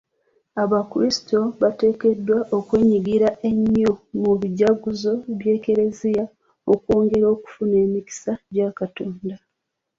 Abakrisito bateekeddwa okwenyigira ennyo mu bijaguzo by'e kereziya okwongera okufuna emikisa gya Katonda.